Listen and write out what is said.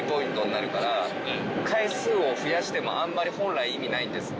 回数を増やしてもあんまり本来意味ないんです。